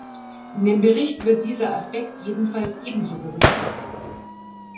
In dem Bericht wird dieser Aspekt jedenfalls ebenso berücksichtigt.